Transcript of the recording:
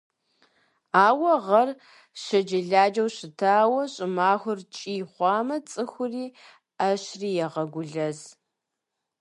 Ауэ гъэр шэджэладжэу щытауэ, щӀымахуэр ткӀий хъуамэ, цӀыхури Ӏэщри егъэгулэз.